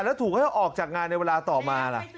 แล้วถูกจะออกจากงานในเวลาต่อมา